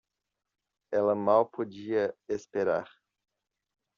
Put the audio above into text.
Ela mal podia esperar